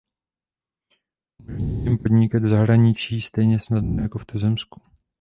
Umožní jim podnikat v zahraničí stejně snadno jako v tuzemsku.